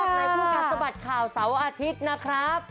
ในคู่กัดสะบัดข่าวเสาร์อาทิตย์นะครับ